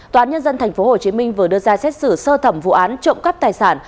toán nhân dân tp hcm vừa đưa ra xét xử sơ thẩm vụ án trộm cắp tài sản